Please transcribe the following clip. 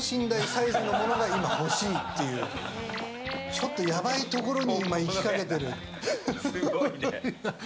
ちょっとやばいところに今、行きかけてる。